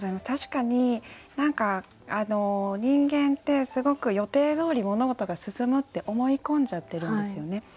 確かに何か人間ってすごく予定どおり物事が進むって思い込んじゃってるんですよね。